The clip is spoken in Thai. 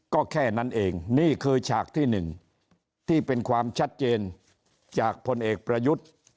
ก็แค่นั้นเองนี่คือฉากที่หนึ่งที่เป็นความชัดเจนจากพลเอกประยุทธ์